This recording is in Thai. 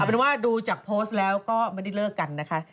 เป็นว่าดูจากโพสต์แล้วก็ไม่ได้เลิกกันนะคะ